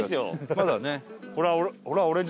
まだね。